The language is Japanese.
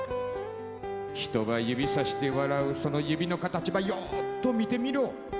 「人ば指さして笑うその指の形ばようと見てみろ」